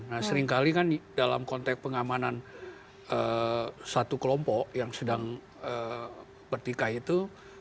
nah seringkali kan dalam konteks pengamanan satu kelompok yang sedang bertikai itu